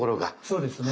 そうですね。